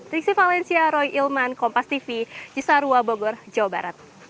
riksi valencia roy ilman kompas tv cisarua bogor jawa barat